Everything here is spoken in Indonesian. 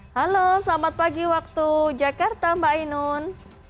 halo selamat pagi waktu jakarta mbak ainun